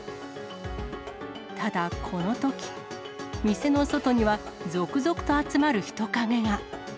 ただこのとき、店の外には続々と集まる人影が。